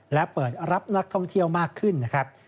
และเปิดรับนักท่องเที่ยวมากขึ้นนะครับ